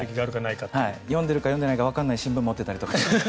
読んでいるか読んでいないかわからない新聞を持っていたり。